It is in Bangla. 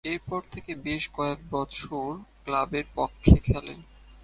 এরপর থেকে বেশ কয়েকবছর ক্লাবের পক্ষে খেলেন।